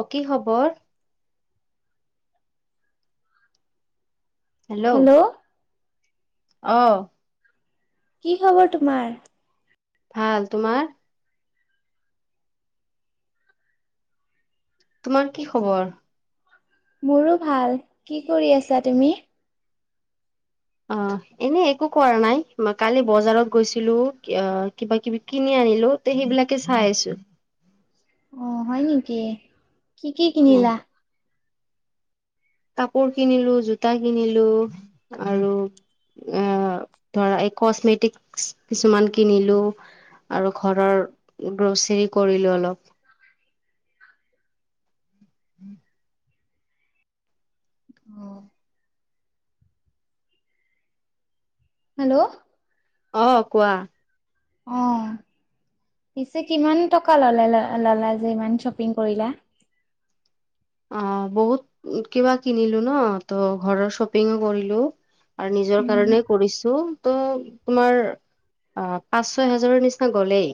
অ, কি খবৰ? হেল্ল'! অ। কি খবৰ তোমাৰ? ভাল। তোমাৰ? তোমাৰ কি খবৰ? মোৰো ভাল। কি কৰি আছা তুমি? অ। এনে একো কৰা নাই। কালি বজাৰত গৈছিলো, অ কিবা কিবি কিনি আনিলো। তে সেইবিলাকে চাই আছো। অ' হয় নেকি? কি কি উম, কিনিলা? কাপোৰ কিনিলো, জোতা কিনিলো আৰু এ ধৰা একচমেটিক কিছুমান কিনিলো। আৰু ঘৰৰ গ্ৰচেৰী কৰিলো অলপ। অ। হেল্ল'! অ, কোৱা? অ। পিছে কিমান টকা ললে ল ললা যে, ইমান শ্বপিং কৰিলা? অ' বহুত কিবা কিনিলো ন'। ত' ঘৰৰ শ্বপিংও কৰিলো। আৰু নিজৰ কাৰণে কৰিছো। ত' তোমাৰ আ' পাঁচ, ছয় হাজাৰৰ নিচিনা গ'লেই।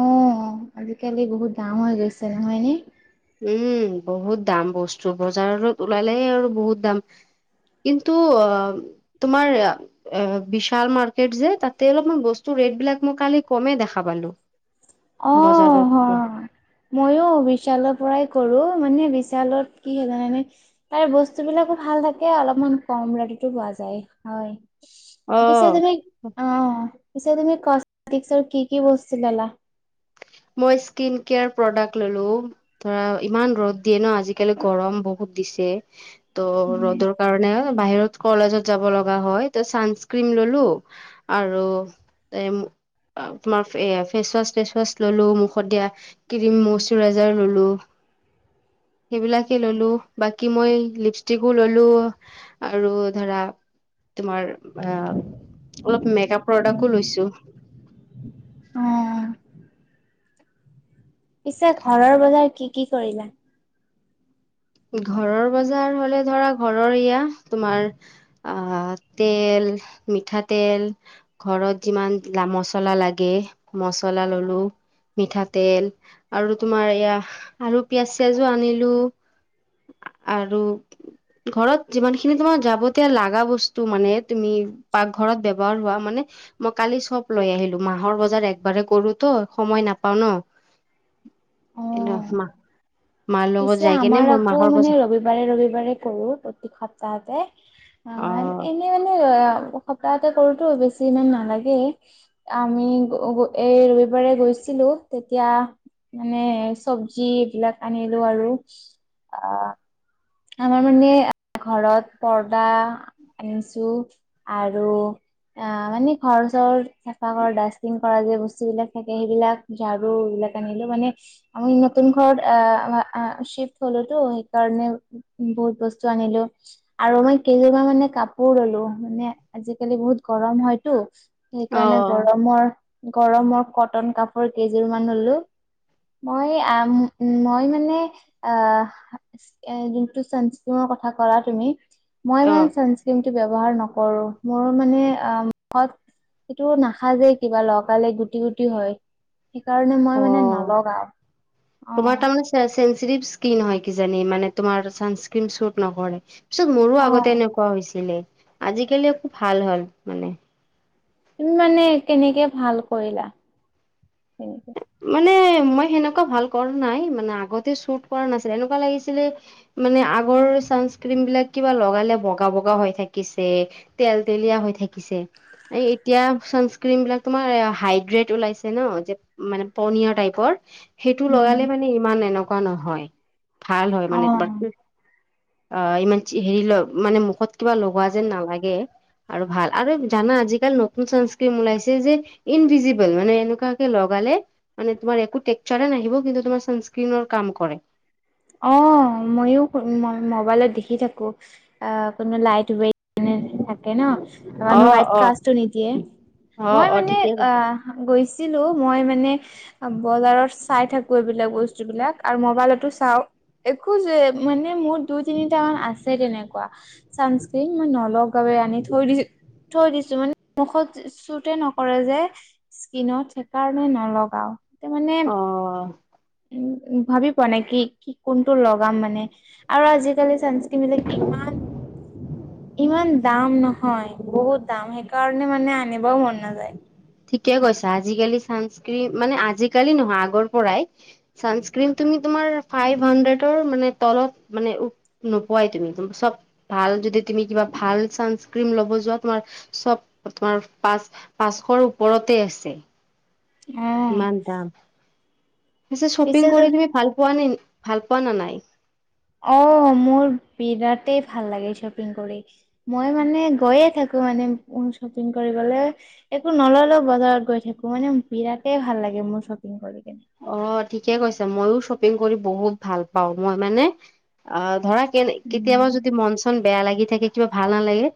অ'। আজিকালি বহুত দাম হৈ গৈছে। নহয়নে? উম', বহুত দাম বস্তু। বজাৰত ওলালেই আৰু বহুত দাম। কিন্তু অ' তোমাৰ এ বিশাল মাৰ্কেট যে, তাতে অলপমান বস্তু ৰেট বিলাক মই কালি কমে দেখা পালো। অ' হ। বজাৰতকে মইওঁ বিশাল পৰাই কৰো, মানে বিশালত কি হয় জানানে? তাৰ বস্তু বিলাকো ভাল থাকে, অলপমান কম ৰেটতো পোৱা যায় হয়। পিছে অ'। তুমি অ' পিছে তুমি কচমেটিকচৰ কি কি বস্তু ললা? মই স্কিন কেয়াৰ প্ৰডাক্ট ললো। ধৰা ইমান ৰ'দ দিয়ে ন' আজিকালি গৰম বহুত দিছে। ত' ৰ'দৰ কাৰণে বাহিৰত কলেজত যাব লগা হয় ত ছানস্ক্ৰীম ললো। আৰু এ তোমাৰ ফেচ ৱাচ তেচ ৱাচ ললো মুখত দিয়া ক্ৰিম মষ্টৰাইজাৰ ললো। সেইবিলাকে ললো বাকী মই লিপষ্টিকো ললো। আৰু ধৰা তোমাৰ আ অলপ মেক আপ প্ৰডাক্টো লৈছো। অ'অ পিছে ঘৰৰ বজাৰ কি কি কৰিলা? ঘৰৰ বজাৰ মানে ধৰা ঘৰৰ এয়া তোমাৰ অহ' তেল মিঠাতেল ঘৰত যিমান মা মচলা লাগে মচলা ললো। মিঠাতেল আৰু তোমাৰ এয়া আলু পিয়াজ চিয়াজো আনিলো। আৰু ঘৰত যিমান খিনি তোমাৰ যাৱতীয় লাগা বস্তু মানে তুমি পাকঘৰত ব্যৱহাৰ হোৱা মানে। মই কালি চব লৈ আহিলো মাহৰ বজাৰ একবাৰে কৰো ত সময় নাপাওঁ ন'। এনেঅ অ', অফমাহ পিছে আমাৰ আকৌ মানে বজাৰ ৰবি ৰবিবাৰে-ৰবিবাৰে কৰো প্ৰত্যিক সপ্তাহতে অ' এনে মানে সপ্তাহতে কৰোতো বেছি ইমান নালাগেই আমি এই ৰবিবাৰে গৈছিলো তেতিয়া মানে চব্জি এইবিলাক আনিলো আৰু আ আমাৰ মানে ঘৰত পৰ্দা আনিছো আৰু অ' মানে ঘৰ চৰ চাফা কৰা ডাষ্টবিন কৰা যে বস্তু বিলাক থাকে সেইবিলাক। ঝাৰু এইবিলাক আনিলো মানে আমি নতুন ঘৰত আহ- আমা আ চিফ্ট হলোটো সেইকাৰণে। বহুত বস্তু আনিলো। আৰু মই কেইযোৰ মানে কাপোৰ ললো মানে আজিকালি বহুত গৰম হয়তো। সেইকাৰণে অ গৰমৰ গৰমত কটন কাপোৰ কেইযোৰমান ললো। মই আ-ম মই মানে অ' হেৰি চানস্কিনৰ কথা কলা তুমি মই অ মানে চানস্ ক্ৰীমটো ব্যৱহাৰ নকৰো মোৰ মানে আ মুখত সেইটো নাখাজে কিবা লগালে গুটি গুটি হয়। সেইকাৰণে মই মানে অ', নলগাওঁ অ'। চেন্সিটিভ স্কিন হয় কিজানি মানে তোমাৰ ছানস্ক্ৰীম চুট নকৰে। পিছত মোৰো অ আগতে এনেকুৱা হৈছিলে আজিকালি ভাল হ'ল মানে। তুমি মানে কেনেকে ভাল কৰিলা মানে মই সেনেকুৱা ভাল কৰা নাই মানে আগতে চোট কৰা নাছিল এনকা লাগিছিলে মানে আগৰ ছানস্ক্ৰীম বিলাক কিবা লগালে বগা বগা হৈ থাকিছে। তেল তেলীয়া হৈ থাকিছে এই, এতিয়া চানস্ক্ৰিন বিলাক তোমাৰ হাইগ্ৰেড ওলাইছে ন যে মানে পনিয়ৰ টাইপৰ সেইটো উম লগালে মানে ইমান এনকা নহয় ভাল হয় মানে তোমাৰ খুব অ অ, ইমান হেৰি ল মানে মুখত কিবা লগোৱা যেন নালাগে আৰু ভাল আৰু জানা আজিকাল নতুন চানস্ক্ৰীম ওলাইছে যে ইনভিজিবল মানে এনেকুৱাকে লগ লগালে মানে তোমাৰ একো টেক্সাৰে নাহিব, কিন্তু তোমাৰ চানস্ক্ৰিনৰ কাম কৰে। অঁ, মইয়ো মই মোবাইলত দেখি থাকো, আঁ মানে লাইট ৱেইট মানে থাকে ন, অ মানু্হ হোৱাইট অ কাষ্টটো নিদিয়ে। আঁ অ মই অ মানে ঠিকেই কৈছে গৈছিলোঁ, মই মানে বজাৰত চাই থাকো এইবিলাক বস্তু বিলাক, আৰু মোবাইলতো চাওঁ। একো যে মানে মোৰ দুই তিনিটা মান আছে তেনেকুৱা, চানস্ক্ৰিন মই নলগাওঁ আনি থৈ দিছো। থৈ দিছো মানে মুখত চুতে নকৰে যে। স্কীনত সেইকাৰণে নলগাওঁ মানে। অ উম উম ভাবি পোৱা নাই কি কোনটো লগাম, মানে আৰু আজিকালি কিনিলে ইমান ইমান দাম নহয় বহুত দাম সেইকাৰ ণে মানে আনিবয়ো মন নাযায়। ঠিকে কৈছা, আজিকালি চানস্কিন মানে আজিকালি নহয় আগৰ পৰাই চানস্ক্ৰিন তুমি তোমাৰ ফাইভ হানড্ৰেডৰ মানে তলত মানে নোপোৱাই তুমি চব ভাল যদি তুমি কিবা ভাল চানস্ক্ৰীন লব যোৱা তোমাৰ চব তোমাৰ পাচ পাঁচশৰ ওপৰতে আছে। অ ইমান দাম, পিছে শ্বপিং কৰি তুমি ভাল পোৱা নে ভাল পোৱা না নাই? অঁ, মোৰ বিৰাটেই ভাল লাগে শ্বপিং কৰি। মই মানে গৈয়ে থাকো মানে শ্বপিং কৰিবলৈ। একো নল'লেও বজাৰত গৈ থাকো মানে বিৰাটেই ভাল লাগে মোৰ শ্বপিং কৰি কিনে। অঁ ঠিকে কৈছে ময়ো শ্বপিং কৰি বহুত ভাল পাওঁ, মই মানে অঁ ধৰা কেনে কেতিয়াবা উম যদি মন চন বেয়া লাগি থাকে কিবা ভাল নালাগে,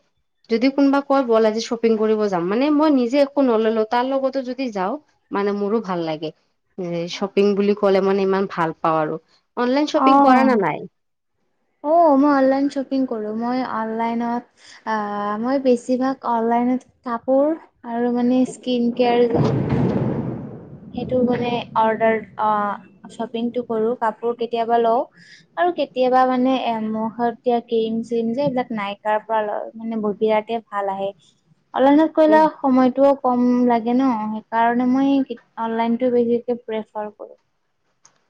যদি কোনোবা কয় বল আজি শ্বপিং কৰিব যাম, মানে মই নিজে একো নললো তাৰ লগতো যদি যাওঁ মানে মোৰো ভাল লাগে। এই শ্বপিং বুলি ক'লে মানে ইমান ভাল পাওঁ আৰু, অনলাইন শ্বপিং কৰা না নাই? অঁ, মই অনলাইন শ্বপিং কৰোঁ, মই অনলাইনত অঁ মই বেছিভাগ অনলাইনত কাপোৰ আৰু মানে স্কিন কেয়াৰ সেইটো মানে অৰ্ডাৰ অঁ, শ্বপিংটো কৰো কাপোৰ কেতিয়াবা লওঁ। আৰু কেতিয়াবা মানে এমহতিয়া ক্ৰীম চিম যে এইবিলাক নাইকাৰ পৰা লৈ মানে বহু বিৰাতে ভাল আহে। অনলাইনত কৰিলে সময়তটোও কম লাগে ন সেইকাৰণে মই অনলাইন বেছিকে প্ৰিফাৰ কৰো।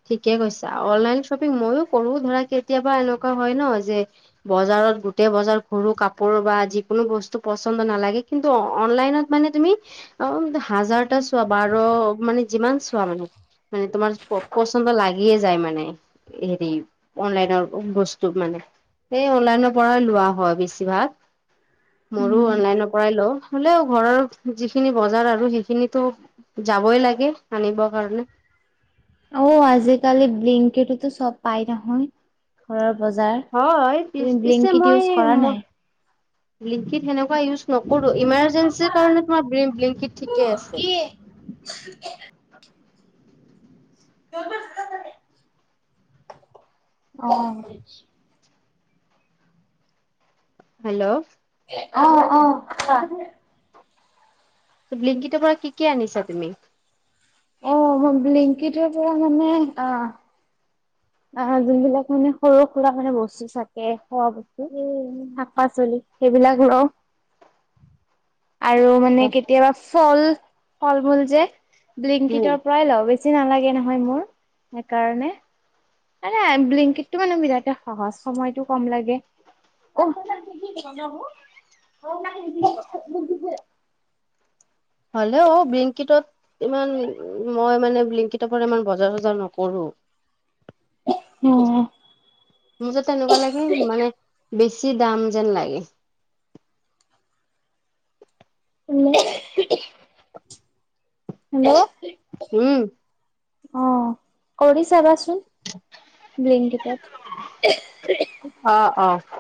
ঠিকে কৈছা, অনলাইন শ্বপিং মইো কৰো ধৰা কেতিয়াবা এনেকুৱা হয় ন যে বজাৰত গোটেই বজাৰ কৰো, কাপোৰ বা যিকোনো বস্তু পচন্দ নালাগে কিন্তু অনলাইনত মানে তুমি অ, হাজাৰটা চোৱা বাৰ মানে যিমান চোৱা মানে মানে তোমাৰ পচন্দ লাগিয়ে যায় মানে, হেৰি অনলাইনৰ বস্তু মানে এই অনলাইনৰ পৰাই লোৱা হয় বেছিভাগ, মোৰো উম অনলাইনৰ পৰাই লওঁ। হ'লেও ঘৰৰ যিখিনি বজাৰ আৰু সেইখিনিতো যাবই লাগে আনিব কাৰণে। অঁ, আজিকালি ব্লিংকিতো চব পাই নহয় ঘৰৰ বজাৰ। হয়, পিছ তুমি পিছে ব্লিংকিট মই ইউজ কৰা মই নাই ব্লিংকিত সেনেকুৱা ইউজ নকৰো। ইমাৰ্জেঞ্চিৰ কাৰণে তোমাৰ ব্লিং ব্লিংকিড ঠিকেই আছে। [inaudible] অঁ হেল্ল। অ', অ', কোৱা। বিলিংকিটোৰ পৰা কি কি আনিছা তুমি? অ' বিলিংকিটোৰ পৰা মানে অ'। অ' যোনবিলাক মানে সৰু সুৰা মানে বস্তু চাকে খোৱা বস্তু সেই। শাক পাচলি সেইবিলাক লওঁ, আৰু মানে কেতিয়াবা ফল, ফল মূল যে বিলংকিটৰ পৰাই লওঁ বে বেছি নালাগে নহয় মোৰ সেইকাৰণে। আৰে বিলিংকিটো মানে বিৰাটতে সহজ সময়তটো কম লাগে। [unintelligible] হ'লেও বিলিংকিটত ইমান মই মানে বিংকিতৰ পৰা ইমান বজাৰ চজাৰ নকৰোঁ। হম। মোৰ যে তেনেকুৱা লাগে মানে, বেছি দাম যেন লাগে। [unintelligible] হেল্ল'। হম। অ' কৰি চাবাচোন বিলিংকিটিত। অ', অ'।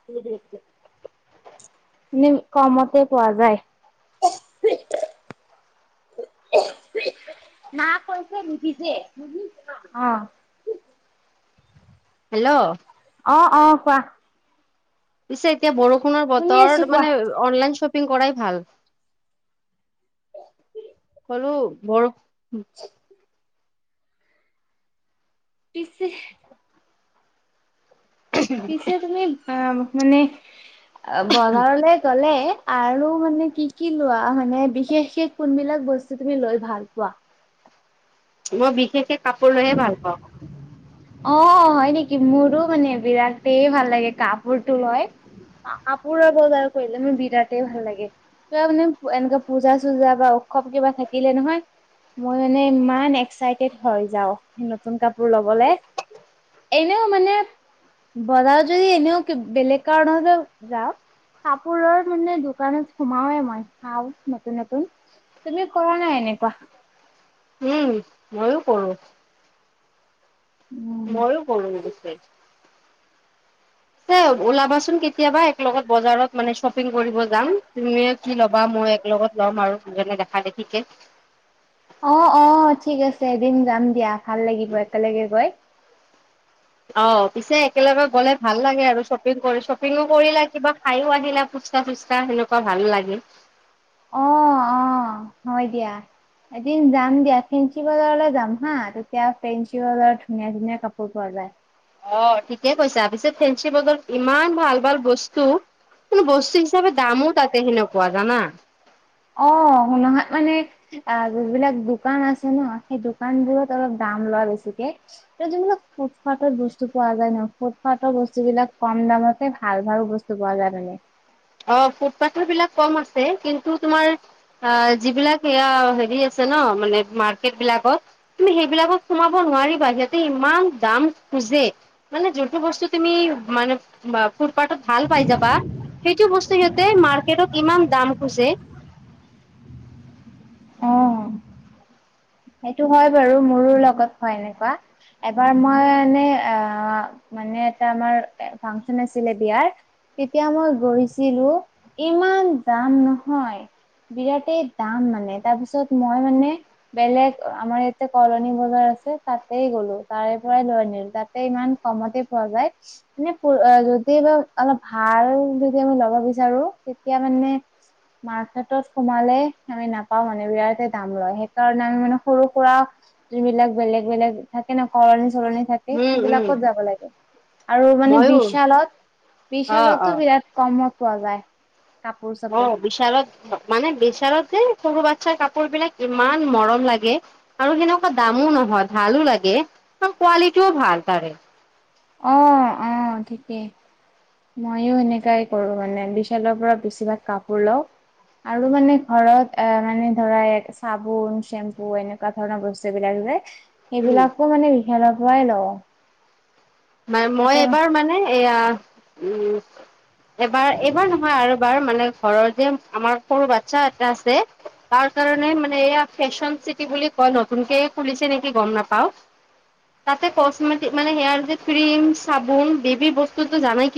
[unintelligible] এনে কমতে পোৱা যায়। না কৈছে নিসিজে [unintelligible] হেল্ল'। অ', অ', কোৱা। পিছে এতিয়া বৰষুণৰ শুনি আছো বতৰ কোৱা মানে অনলাইন শ্বপিং কৰাই ভাল। ক'লো বৰ পিছে পিছে তুমি অ' মানে, অ' বজাৰলে গ'লে আৰু মানে কি কি লোৱা মানে বিশেষকে কোনবিলাক বস্তু তুমি লৈ ভাল পোৱা? মই বিশেষকে কাপোৰ লৈহে ভাল পাওঁ। অ' হয় নেকি মোৰো মানে বিৰাটে ভাল লাগে কাপোৰটো লয়। কাপোৰ বজাৰ কৰিলে মোৰ বিৰাটেই ভাল লাগে। কিবা মানে এনেকুৱা পূজা চূজা বা উৎসৱ কিবা থাকিলে নহয় মই মানে ইমান এক্সাইটেড হয় যাওঁ, নতুন কাপোৰ ল'বলে। এনেও মানে, বজাৰত যদি এনেও বেলেগ কাৰণত যাওঁ কাপোৰৰ মানে দোকানত সোমাওৱে মই চাওঁ নতুন নতুন। তুমি কৰা নাই এনেকুৱা। উম, ময়ো কৰোঁ। [unintelligible] ময়ো কৰোঁ পিছে। এ, ওলাবাচোন কেতিয়াবা একলগত বজাৰত মানে চপ [unintelligible] কৰিব যাম, তুমিও কি ল'বা মই এক লগত লম আৰু দুজনে দেখা দেখিকে। অ', অ', ঠিক আছে এদিন যাম দিয়া ভাল লাগিব একেলগে গৈ। অ' পিছে একেলগে গলে ভাল লাগে আৰু শ্বপিং কৰি শ্বপিংও কৰিলা কিবা খাইও আহিলা ফুচ [unintelligible] চুচকা সেনেকুৱা ভাল লাগে। অ', অ', হয় দিয়া। এদিন যাম দিয়া ফেঞ্চি বজাৰলৈ যাম হা তেতিয়া ফেঞ্চি বজাৰত ধুনীয়া ধুনীয়া কাপোৰ পোৱা যায়। অ ঠিকে কৈছাপিছে ফেঞ্চি বজাৰত ইমান ভাল ভাল বস্তু কোনো বস্তু হিচাপে দামো তাতে সেনেকোৱা জানা অ গোলঙাত মানে অ যিবিলাক দোকান আছে ন সেই দোকানবোৰত অলপ দাম লয় বেছিকে এ যিবিলাক ফুটফাটত বস্তু পোৱা যায় ন ফুটফাটৰ বস্তু বিলাক কম দামতে ভাল ভাল ব স্তু পোৱা যায় মানে। অ ফুটপাথৰ বিলাক কম আছে কিন্তু তোমাৰ অ যিবিলাক এয়া হেৰি আছে ন মানে মাৰ্কেট বিলাকত তুমি সেইবিলাকত সোমাব নোৱাৰিবা সিহঁতে ইমান দাম খুজে মানে যোনটো বস্তু তুমি মানে বা ফুটপাতত ভাল পাই যাবা সেইটো বস্তু সিহঁতে মাৰ্কেটত ইমান দাম খুজে। অ সেইটো হয় বাৰু মোৰো লগত হয় এনেকোৱা। এবাৰ মই মানে আহ মানে এটা আমাৰ ফাংচন আছিলে বিয়াৰ তেতিয়া মই গৈছিলো ইমান দাম নহয় বিৰাটেই দাম মানে তাৰপিছত মই মানে বেলেগ আমাৰ ইয়াতে কলনী বজাৰ আছে তাতেই গ'লো তাৰে পৰাই লৈ আনিলো তাতে ইমান কমতে পোৱা যায়। মানে যদি বা অলপ ভাল যদি আমি ল'ব বিচাৰো তেতিয়া মানে মাৰ্কেটত সোমালে আমি নাপাও মানে বিৰাট দাম লয় সেই কাৰণে আমি মানে সৰু সুৰা যিবিলাক বেলেগ বেলেগ থাকে ন কলণী চলণী থা উম উম সেইবিলাকত যাব লাগে আৰু মানে ময়ো বিশালত অ অ বিশালতো বিৰাট কমত পোৱা যায় কাপোৰ চাপোৰ। বিচাৰত মানে বিচাৰত যে সৰু বাচ্ছাৰ কাপোৰ বিলাক ইমান মৰম লাগে আৰু সেনেকোৱা দামো নহয় ভালো লাগে কাৰ কোৱালিটিও ভাল তাৰে। অ অ ঠিকেই। ময়ো এনেকাই কৰো মানে বিশালৰ পৰা বেছিভাগ কাপোৰ লও আৰু মানে ঘৰত অ মানে ধৰা এ চাবোন চেম্পু এনে কোৱা ধৰণৰ বস্তুবিলাক যে উম সেইবিলাকো মানে বিশালৰ পৰাই লও। মানে মই এইবাৰ মানে এয়া উম এবাৰ এইবাৰ নহয় আৰু এবাৰ মানে ঘৰত যে আমাৰ সৰু বাচ্ছা এটা আছে তাৰ কাৰণে মানে এয়া ফেশ্বন চিটি বুলি কয় নতুনকে খুলিছে নেকি গম নাপাও তাতে কচমেটিক মানে সেয়াৰ যে ক্ৰীম চাবোন বেবী বস্তুতো জানাই কি